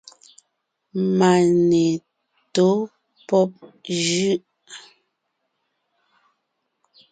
Mane tó pɔ́b jʉ́ʼ.